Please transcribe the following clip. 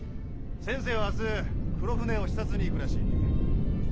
先生は明日黒船を視察に行くらしいき。